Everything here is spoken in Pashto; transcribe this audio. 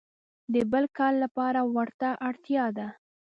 د بل کار لپاره ورته اړتیا ده.